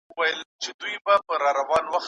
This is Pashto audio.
که انلاین ښوونځی وي نو ځوانان نه محرومیږي.